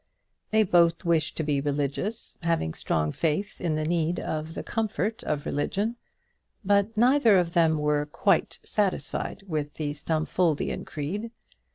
They both wished to be religious, having strong faith in the need of the comfort of religion; but neither of them were quite satisfied with the Stumfoldian creed.